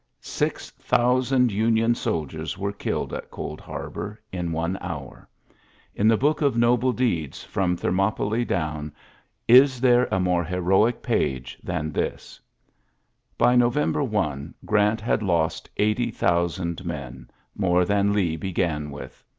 Six thousand TJnion soldiers were killed at Cold Harbor in one hour. In the book of noble deeds from Thermopylae down, is there a more heroic page than this f By November 1 Grant had lost eighty thousand men — more than Lee began with.